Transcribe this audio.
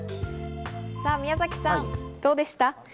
宮崎さん、どうでした？